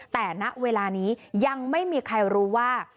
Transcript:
แต่ณเวลานี้ยังไม่มีใครรู้ว่า